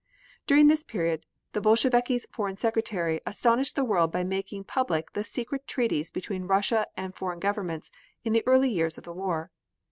During this period the Bolsheviki's Foreign Secretary astonished the world by making public the secret treaties between Russia and foreign governments in the early years of the war.